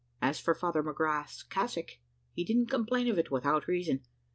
As for Father McGrath's cassock, he didn't complain of it without reason.